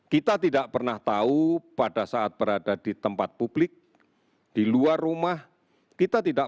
kita tidak pernah tahu pada saat berada di tempat publik di luar rumah kita tidak